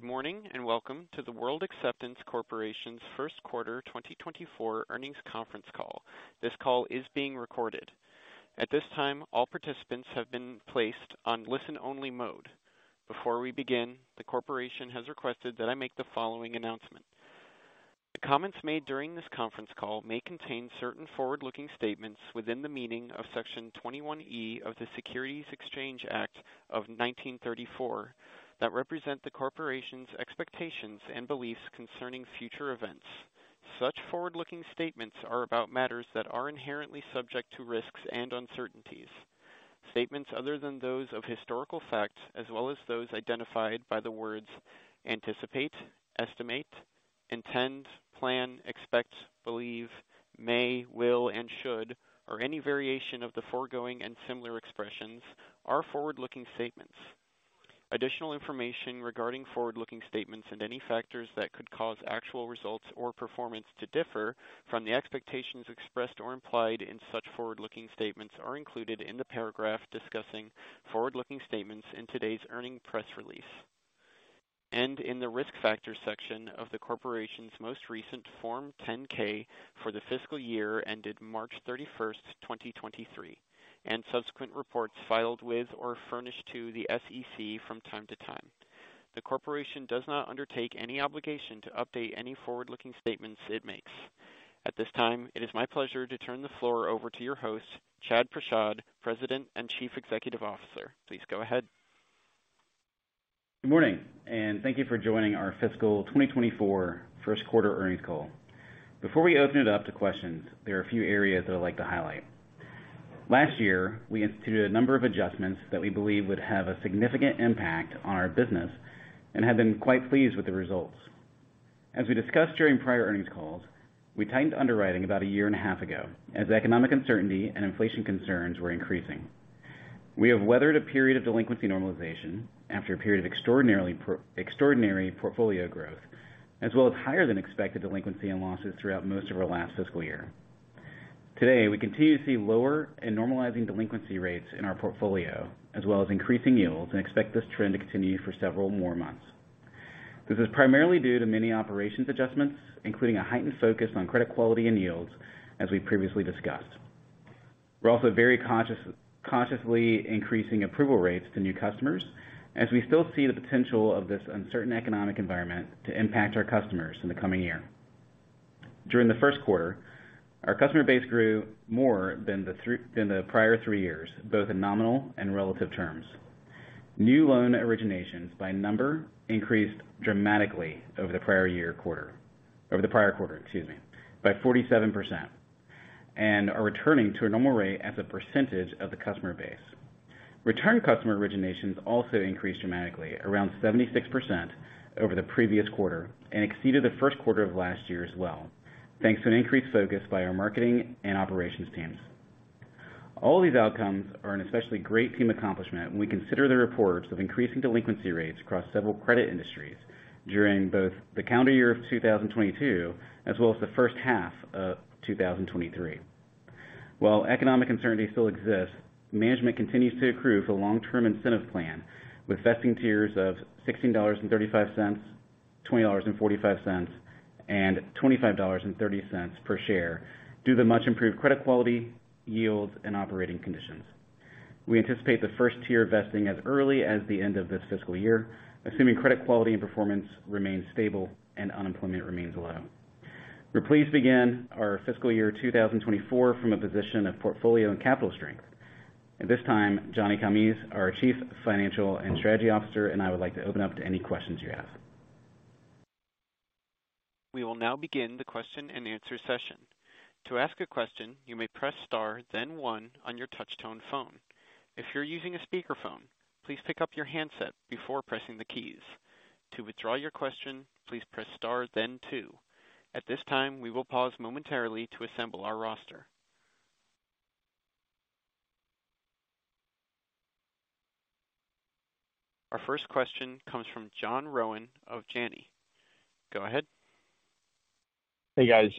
Good morning, welcome to the World Acceptance Corporation's first quarter 2024 earnings conference call. This call is being recorded. At this time, all participants have been placed on listen-only mode. Before we begin, the corporation has requested that I make the following announcement. The comments made during this conference call may contain certain forward-looking statements within the meaning of Section 21E of the Securities Exchange Act of 1934, that represent the corporation's expectations and beliefs concerning future events. Such forward-looking statements are about matters that are inherently subject to risks and uncertainties. Statements other than those of historical facts, as well as those identified by the words anticipate, estimate, intend, plan, expect, believe, may, will, and should, or any variation of the foregoing and similar expressions, are forward-looking statements. Additional information regarding forward-looking statements and any factors that could cause actual results or performance to differ from the expectations expressed or implied in such forward-looking statements are included in the paragraph discussing forward-looking statements in today's earning press release. In the Risk Factors section of the corporation's most recent Form 10-K for the fiscal year, ended March 31, 2023, and subsequent reports filed with or furnished to the SEC from time to time. The corporation does not undertake any obligation to update any forward-looking statements it makes. At this time, it is my pleasure to turn the floor over to your host, Chad Prashad, President and Chief Executive Officer. Please go ahead. Good morning. Thank you for joining our fiscal 2024 first quarter earnings call. Before we open it up to questions, there are a few areas that I'd like to highlight. Last year, we instituted a number of adjustments that we believe would have a significant impact on our business and have been quite pleased with the results. As we discussed during prior earnings calls, we tightened underwriting about a year and a half ago as economic uncertainty and inflation concerns were increasing. We have weathered a period of delinquency normalization after a period of extraordinary portfolio growth, as well as higher than expected delinquency and losses throughout most of our last fiscal year. Today, we continue to see lower and normalizing delinquency rates in our portfolio, as well as increasing yields, and expect this trend to continue for several more months. This is primarily due to many operations adjustments, including a heightened focus on credit quality and yields, as we previously discussed. We're also very conscious, cautiously increasing approval rates to new customers as we still see the potential of this uncertain economic environment to impact our customers in the coming year. During the first quarter, our customer base grew more than the prior three years, both in nominal and relative terms. New loan originations by number increased dramatically over the prior quarter, excuse me, by 47%, and are returning to a normal rate as a percentage of the customer base. Return customer originations also increased dramatically, around 76% over the previous quarter, and exceeded the first quarter of last year as well, thanks to an increased focus by our marketing and operations teams. All these outcomes are an especially great team accomplishment when we consider the reports of increasing delinquency rates across several credit industries during both the calendar year of 2022, as well as the first half of 2023. While economic uncertainty still exists, management continues to accrue for long-term incentive plan, with vesting tiers of $16.35, $20.45, and $25.30 per share, due to much improved credit quality, yields, and operating conditions. We anticipate the first-tier vesting as early as the end of this fiscal year, assuming credit quality and performance remains stable and unemployment remains low. We're pleased to begin our fiscal year 2024 from a position of portfolio and capital strength. At this time, Johnny Calmes, our Chief Financial and Strategy Officer, and I would like to open up to any questions you have. We will now begin the question-and-answer session. To ask a question, you may press Star, then one on your touch tone phone. If you're using a speakerphone, please pick up your handset before pressing the keys. To withdraw your question, please press Star then two. At this time, we will pause momentarily to assemble our roster. Our first question comes from John Rowan of Janney. Go ahead. Hey, guys.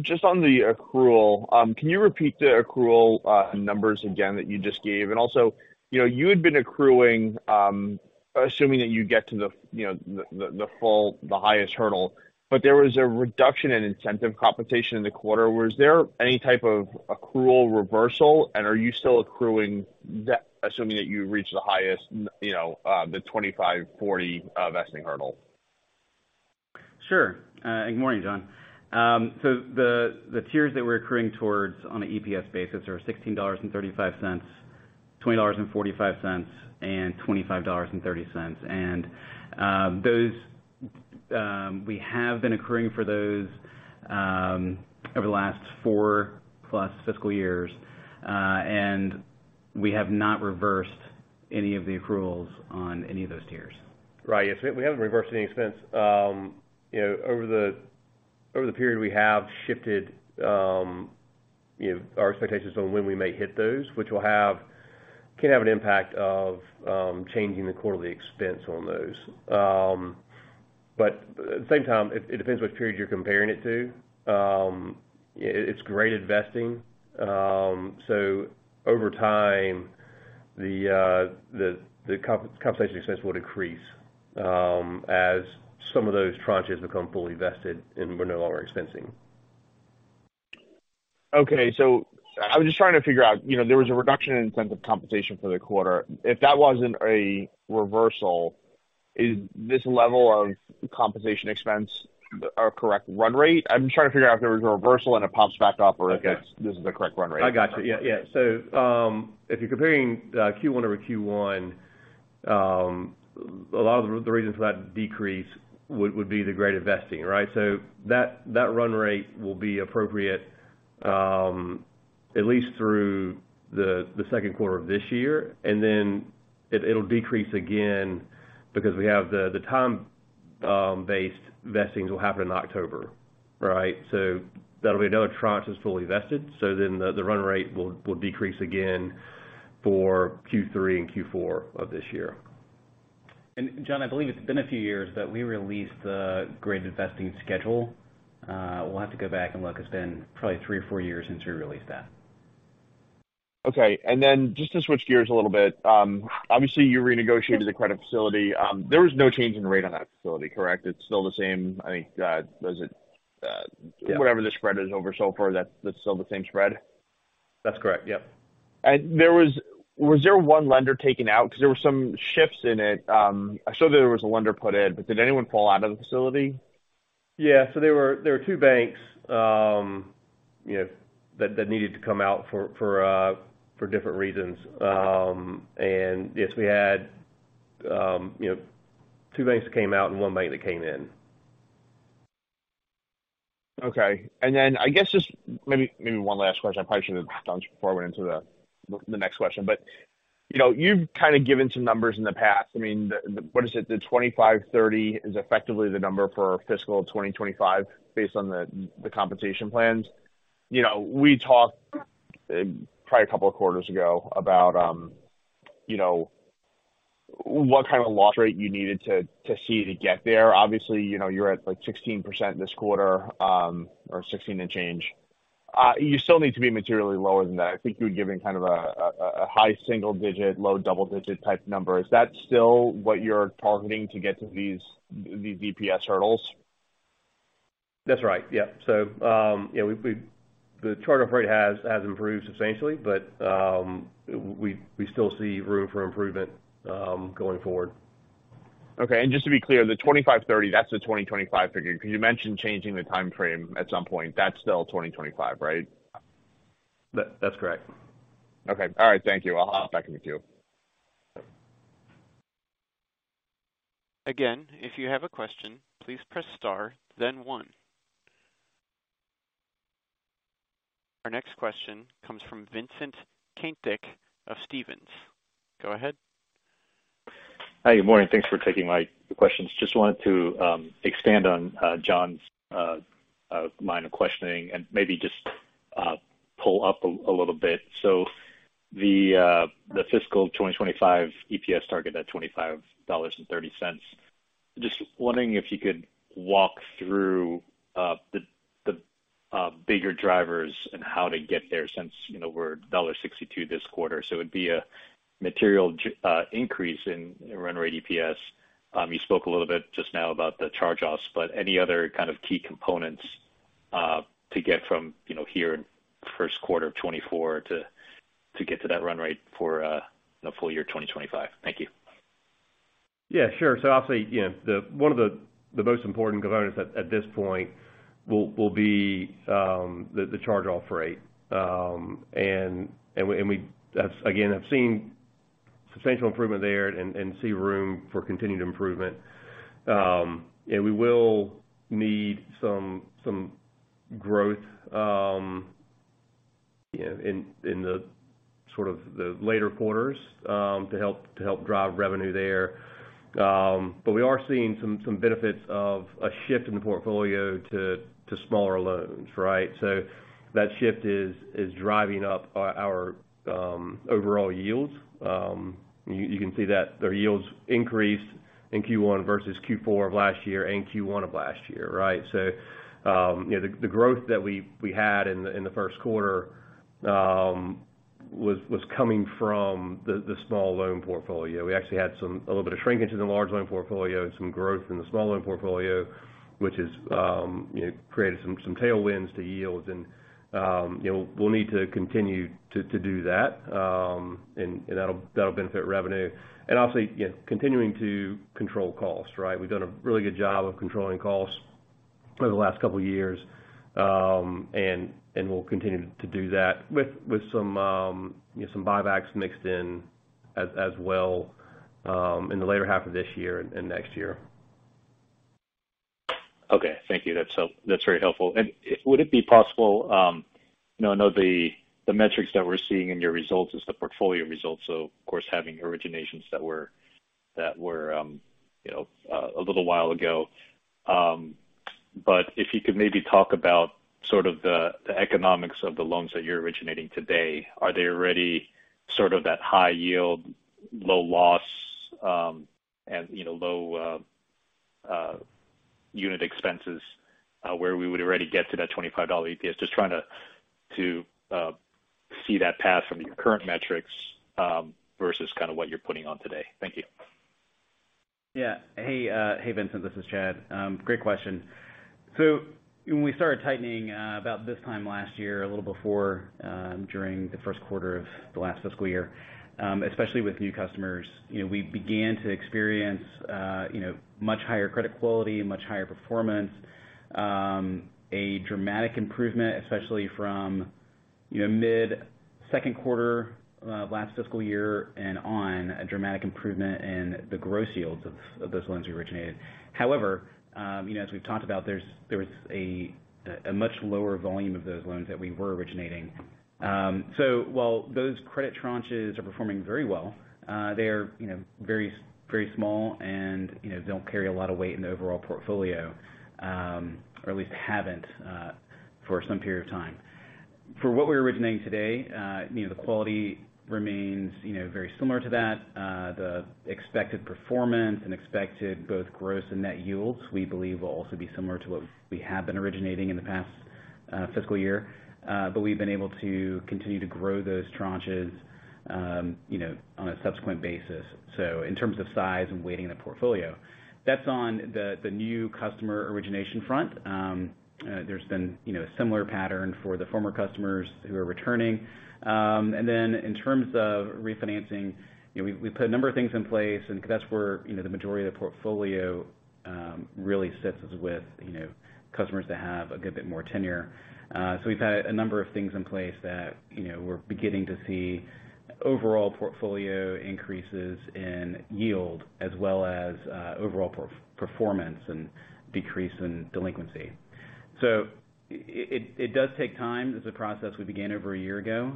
Just on the accrual, can you repeat the accrual numbers again that you just gave? Also, you know, you had been accruing, assuming that you get to the, you know, the full, the highest hurdle, but there was a reduction in incentive compensation in the quarter. Was there any type of accrual reversal, and are you still accruing that, assuming that you reached the highest, you know, the 2540 vesting hurdle? Sure. Good morning, John. The tiers that we're accruing towards on an EPS basis are $16.35, $20.45, and $25.30. Those, we have been accruing for those over the last 4-plus fiscal years, and we have not reversed any of the accruals on any of those tiers. Right. Yes, we haven't reversed any expense. You know, over the, over the period, we have shifted, you know, our expectations on when we may hit those, which can have an impact of changing the quarterly expense on those. At the same time, it depends which period you're comparing it to. It's graded vesting. Over time, the compensation expense will decrease as some of those tranches become fully vested and we're no longer expensing. I was just trying to figure out, you know, there was a reduction in incentive compensation for the quarter. If that wasn't a reversal, is this level of compensation expense a correct run rate? I'm just trying to figure out if there was a reversal and it pops back up, or if this is the correct run rate. I got you. Yeah, yeah. If you're comparing Q1 over Q1, a lot of the reasons for that decrease would be the graded vesting, right? That run rate will be appropriate, at least through the second quarter of this year, and then it'll decrease again because we have the time based vestings will happen in October, right? That'll be another tranche is fully vested, the run rate will decrease again for Q3 and Q4 of this year. John, I believe it's been a few years that we released the graded vesting schedule. We'll have to go back and look. It's been probably three or four years since we released that. Okay. Then just to switch gears a little bit, obviously, you renegotiated the credit facility. There was no change in rate on that facility, correct? It's still the same, I think? Yeah. Whatever the spread is over, that's still the same spread? That's correct. Yep. Was there one lender taken out? There were some shifts in it. I saw that there was a lender put in. Did anyone fall out of the facility? Yeah, there were two banks, you know, that needed to come out for different reasons. Yes, we had, you know, two banks that came out and one bank that came in. Okay. I guess just maybe one last question. I probably should have done this before I went into the next question. You know, you've kind of given some numbers in the past. I mean, what is it? The 25-30 is effectively the number for fiscal 2025 based on the compensation plans. You know, we talked probably a couple of quarters ago about, you know, what kind of loss rate you needed to see to get there. Obviously, you know, you're at, like, 16% this quarter, or 16 and change. You still need to be materially lower than that. I think you were giving kind of a high single digit, low double digit type number. Is that still what you're targeting to get to these EPS hurdles? That's right. Yeah, the charge-off rate has improved substantially, but we still see room for improvement going forward. Just to be clear, the 2530, that's the 2025 figure. You mentioned changing the time frame at some point. That's still 2025, right? That's correct. Okay. All right, thank you. I'll hop back in the queue. Again, if you have a question, please press star, then one. Our next question comes from Vincent Caintic of Stephens. Go ahead. Hi, good morning. Thanks for taking my questions. Just wanted to expand on John's line of questioning and maybe just pull up a little bit. The fiscal 2025 EPS target at $25.30. Just wondering if you could walk through the bigger drivers and how to get there since, you know, we're $1.62 this quarter, so it would be a material increase in run rate EPS. You spoke a little bit just now about the charge-offs, but any other kind of key components to get from, you know, here in Q1 2024 to get to that run rate for the full year, 2025? Thank you. Yeah, sure. Obviously, you know, the... One of the most important components at this point will be the charge-off rate. We, that's, again, I've seen substantial improvement there and see room for continued improvement. We will need some growth, in the sort of the later quarters, to help drive revenue there. We are seeing some benefits of a shift in the portfolio to smaller loans, right? That shift is driving up our overall yields. You can see that the yields increased in Q1 versus Q4 of last year and Q1 of last year, right? You know, the growth that we had in the first quarter was coming from the small loan portfolio. We actually had some, a little bit of shrinkage in the large loan portfolio and some growth in the small loan portfolio, which has, you know, created some tailwinds to yields. You know, we'll need to continue to do that, and that'll benefit revenue. Obviously, you know, continuing to control costs, right? We've done a really good job of controlling costs over the last couple of years, and we'll continue to do that with some, you know, some buybacks mixed in as well in the latter half of this year and next year. Okay. Thank you. That's so, that's very helpful. Would it be possible, you know, I know the metrics that we're seeing in your results is the portfolio results, so of course, having originations that were, that were, you know, a little while ago. If you could maybe talk about sort of the economics of the loans that you're originating today. Are they already sort of that high yield, low loss, and, you know, low unit expenses where we would already get to that $25 EPS? Just trying to see that path from your current metrics versus kind of what you're putting on today. Thank you. Yeah. Hey, Vincent, this is Chad. Great question. When we started tightening, about this time last year, a little before, during the first quarter of the last fiscal year, especially with new customers, you know, we began to experience, you know, much higher credit quality, much higher performance, a dramatic improvement, especially from, you know, mid-second quarter, last fiscal year and on, a dramatic improvement in the gross yields of those loans we originated. However, you know, as we've talked about, there was a much lower volume of those loans that we were originating. While those credit tranches are performing very well, they're, you know, very, very small and, you know, don't carry a lot of weight in the overall portfolio, or at least haven't for some period of time. For what we're originating today, you know, the quality remains, you know, very similar to that. The expected performance and expected both gross and net yields, we believe, will also be similar to what we have been originating in the past fiscal year. We've been able to continue to grow those tranches, you know, on a subsequent basis. In terms of size and weighting the portfolio, that's on the new customer origination front. There's been, you know, a similar pattern for the former customers who are returning. In terms of refinancing, you know, we put a number of things in place, and that's where, you know, the majority of the portfolio really sits with, you know, customers that have a good bit more tenure. We've had a number of things in place that, you know, we're beginning to see overall portfolio increases in yield as well as overall performance and decrease in delinquency. It does take time. This is a process we began over a year ago,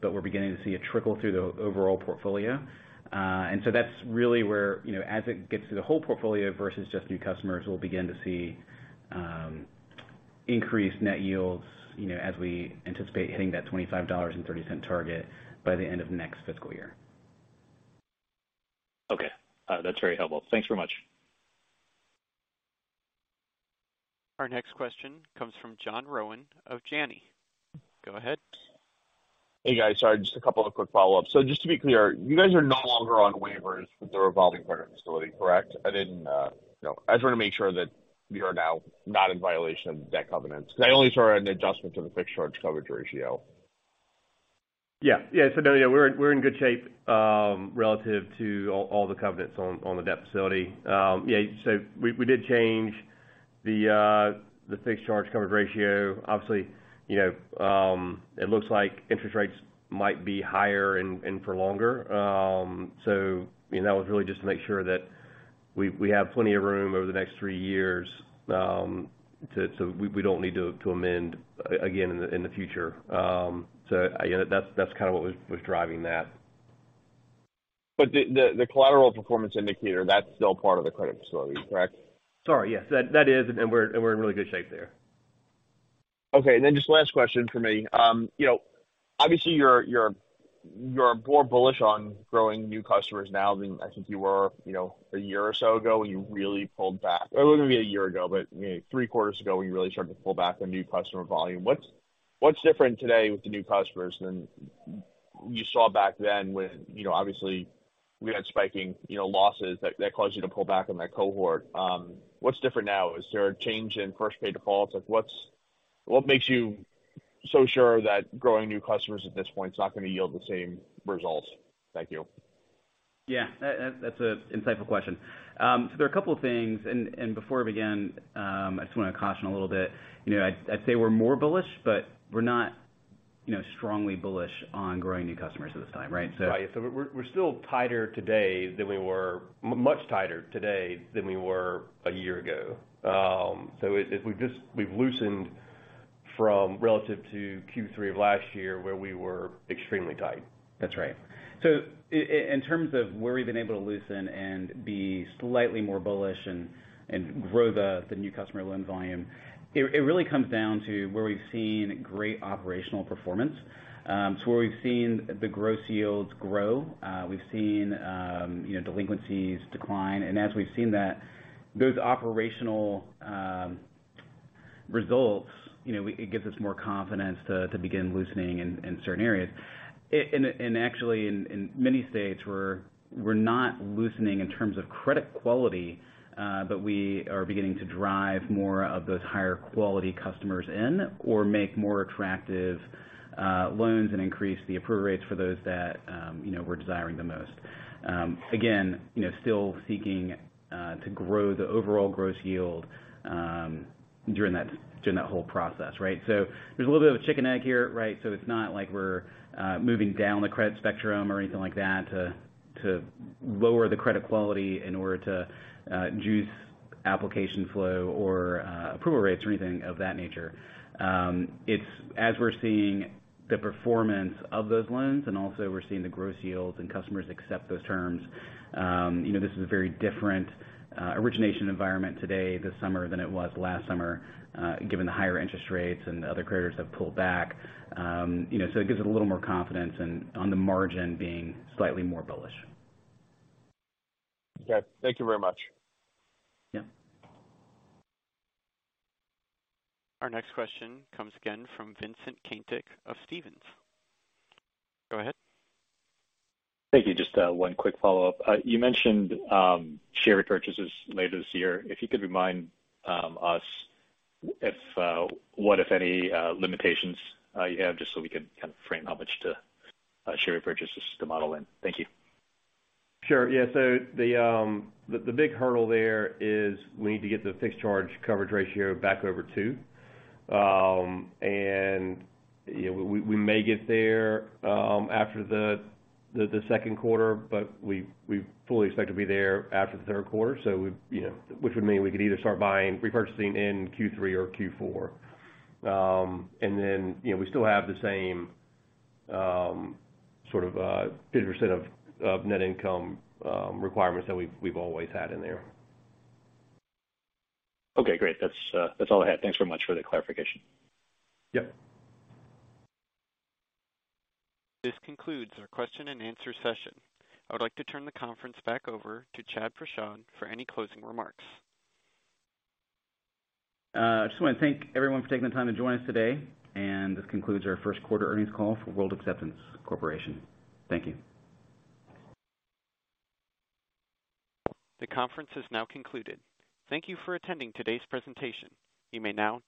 but we're beginning to see it trickle through the overall portfolio. That's really where, you know, as it gets to the whole portfolio versus just new customers, we'll begin to see increased net yields, you know, as we anticipate hitting that $25.30 target by the end of next fiscal year. Okay, that's very helpful. Thanks very much. Our next question comes from John Rowan of Janney. Go ahead. Hey, guys. Sorry, just a couple of quick follow-ups. Just to be clear, you guys are no longer on waivers with the revolving credit facility, correct? I didn't, you know, I just want to make sure that we are now not in violation of debt covenants, because I only saw an adjustment to the fixed charge coverage ratio. Yeah. Yeah. No, yeah, we're in good shape, relative to all the covenants on the debt facility. Yeah, we did change the fixed charge coverage ratio. Obviously, you know, it looks like interest rates might be higher and for longer. You know, that was really just to make sure that we have plenty of room over the next three years, to, we don't need to amend again in the future. Yeah, that's kind of what was driving that. The collateral performance indicator, that's still part of the credit facility, correct? Sorry, yes, that is, and we're in really good shape there. Just last question for me. You know, obviously, you're more bullish on growing new customers now than I think you were, you know, 1 year or so ago when you really pulled back. It wasn't gonna be 1 year ago, you know, 3 quarters ago, when you really started to pull back on new customer volume. What's different today with the new customers than you saw back then when, you know, obviously, we had spiking, you know, losses that caused you to pull back on that cohort? What's different now? Is there a change in first payment defaults? What makes you so sure that growing new customers at this point is not gonna yield the same results? Thank you. Yeah, that's an insightful question. There are a couple of things, and before I begin, I just want to caution a little bit. You know, I'd say we're more bullish, but we're not, you know, strongly bullish on growing new customers at this time, right? Right. We're still tighter today than we were much tighter today than we were a year ago. It we've just loosened from relative to Q3 of last year, where we were extremely tight. That's right. In terms of where we've been able to loosen and be slightly more bullish and grow the new customer loan volume, it really comes down to where we've seen great operational performance. Where we've seen the gross yields grow, we've seen, you know, delinquencies decline. As we've seen that, those operational results, you know, it gives us more confidence to begin loosening in certain areas. Actually, in many states, we're not loosening in terms of credit quality, but we are beginning to drive more of those higher quality customers in or make more attractive loans and increase the approve rates for those that, you know, we're desiring the most. Again, you know, still seeking to grow the overall gross yield during that whole process, right? There's a little bit of a chicken, egg here, right? It's not like we're moving down the credit spectrum or anything like that, to lower the credit quality in order to juice application flow or approval rates or anything of that nature. It's as we're seeing the performance of those loans and also we're seeing the gross yields and customers accept those terms, you know, this is a very different origination environment today, this summer, than it was last summer, given the higher interest rates and the other creditors have pulled back. You know, it gives it a little more confidence and on the margin being slightly more bullish. Okay, thank you very much. Yeah. Our next question comes again from Vincent Caintic of Stephens. Go ahead. Thank you. Just, one quick follow-up. You mentioned, share repurchases later this year. If you could remind, us if, what, if any, limitations, you have, just so we can kind of frame how much to, share repurchases to model in. Thank you. Sure. The big hurdle there is we need to get the fixed charge coverage ratio back over two. We may get there after the second quarter, but we fully expect to be there after the third quarter. We've, which would mean we could either start buying, repurchasing in Q3 or Q4. Then, you know, we still have the same sort of % of net income requirements that we've always had in there. Okay, great. That's all I had. Thanks very much for the clarification. Yep. This concludes our question and answer session. I would like to turn the conference back over to Chad Prashad for any closing remarks. I just want to thank everyone for taking the time to join us today. This concludes our first quarter earnings call for World Acceptance Corporation. Thank you. The conference is now concluded. Thank you for attending today's presentation. You may now disconnect.